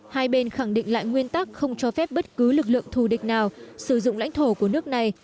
hai bên khẳng định lại nguyên tắc không cho phép bất cứ lực lượng thù địch nào sử dụng lãnh thổ của nước này